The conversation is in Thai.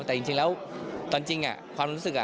แต่จริงแล้วตอนจริงความรู้สึก